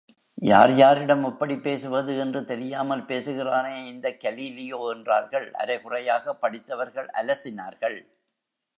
யார், யாரிடம் இப்படிப் பேசுவது என்றுதெரியாமல் பேசுகிறானே இந்தக் கலீலியோ என்றார்கள் அரைகுறையாக படித்தவர்கள் அலசினார்கள்!